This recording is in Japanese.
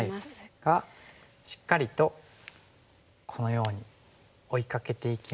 がしっかりとこのように追いかけていきまして。